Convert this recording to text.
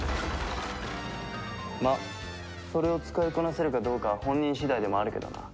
まあそれを使いこなせるかどうかは本人次第でもあるけどな。